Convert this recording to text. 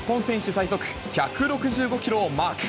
最速１６５キロをマーク。